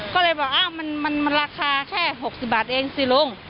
ก็เลยบอกอ้าวมันราคาแค่๖๐บาทเองสิลุง